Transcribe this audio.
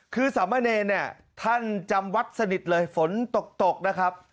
คือสามเณรเนี่ยท่านจำวัดสนิทเลยฝนตกนะครับ